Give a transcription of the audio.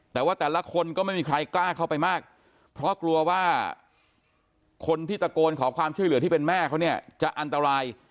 แต่ว่าแต่ละคนก็ไม่มีใครกล้าเข้าไปมากเพราะกลัวว่าคนที่ตะโกนขอความช่วยเหลือที่เป็นแม่เขาเนี่ยจะอันตราย